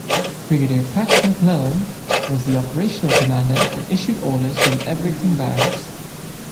Brigadier Pat MacLellan was the operational commander and issued orders from Ebrington Barracks.